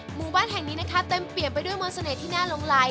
หมู่บ้านแห่งนี้นะคะเต็มเปรียบไปด้วยมนต์เสน่ห์ที่น่าหลงไหล